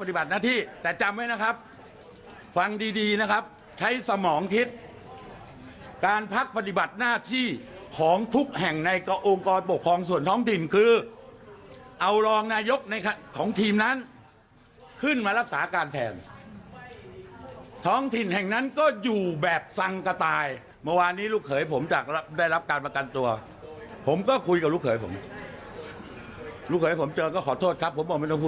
ปฏิบัติหน้าที่แต่จำไว้นะครับฟังดีดีนะครับใช้สมองคิดการพักปฏิบัติหน้าที่ของทุกแห่งในองค์กรปกครองส่วนท้องถิ่นคือเอารองนายกในของทีมนั้นขึ้นมารักษาการแทนท้องถิ่นแห่งนั้นก็อยู่แบบสังกระต่ายเมื่อวานนี้ลูกเขยผมจะได้รับการประกันตัวผมก็คุยกับลูกเขยผมลูกเขยผมเจอก็ขอโทษครับผมบอกไม่ต้องพูด